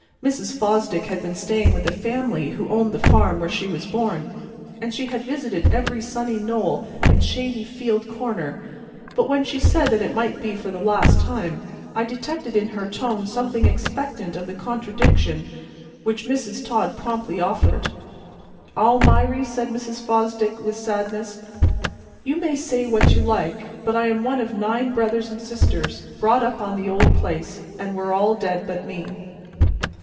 Mrs. Fosdick had been staying with a family who owned the farm where she was born, and she had visited every sunny knoll and shady field corner; but when she said that it might be for the last time, I detected in her tone something expectant of the contradiction which Mrs. Todd promptly offered. "Almiry," said Mrs. Fosdick, with sadness, "you may say what you like, but I am one of nine brothers and sisters brought up on the old place, and we're all dead but me."